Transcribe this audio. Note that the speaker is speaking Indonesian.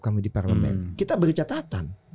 kami di parlemen kita beri catatan